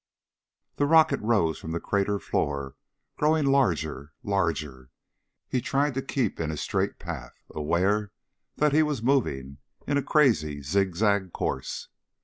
The rocket rose from the crater floor, growing larger, larger. He tried to keep in a straight path, aware that he was moving in a crazy zigzag course.